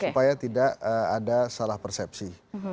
supaya tidak ada salah persepsi